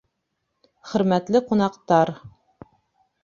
— Хөрмәтле ҡунаҡтар!